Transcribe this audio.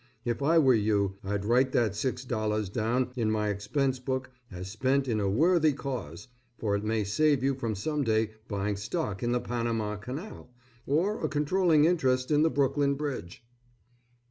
If I were you, I'd write that six dollars down in my expense book as spent in a worthy cause, for it may save you from some day buying stock in the Panama Canal, or a controlling interest in the Brooklyn Bridge.